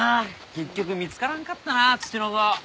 結局見つからんかったなツチノコ。